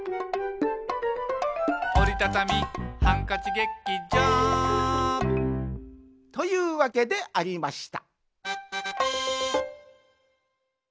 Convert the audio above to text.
「おりたたみハンカチ劇場」というわけでありました